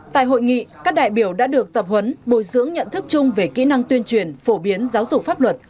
tại hội nghị các đại biểu đã được tập huấn bồi dưỡng nhận thức chung về kỹ năng tuyên truyền phổ biến giáo dục pháp luật